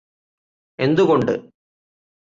എന്തുകൊണ്ട്